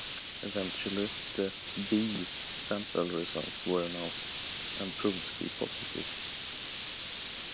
Eventually the 'B' sample results were announced, and proved to be positive.